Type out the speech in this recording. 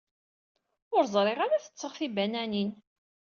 Ur zgiɣ ara tetteɣ tibananin.